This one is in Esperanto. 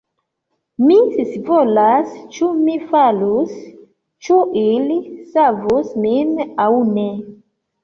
Mi scivolas ĉu mi falus, ĉu ili savus min aŭ ne